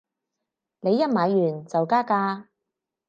你一買完就加價